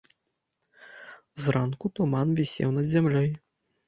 Зранку туман вісеў над зямлёй.